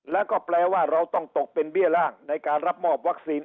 แล้วก็แปลว่าเราต้องตกเป็นเบี้ยร่างในการรับมอบวัคซีน